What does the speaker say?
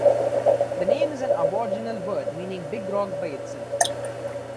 The name is an Aboriginal word meaning "big rock by itself".